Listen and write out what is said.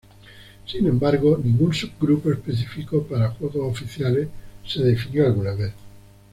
Sin embargo, ningún subgrupo específico para juegos oficiales se definió alguna vez.